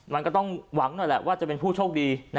มันก็ต้องหวังหน่อยแหละว่าจะเป็นผู้โชคดี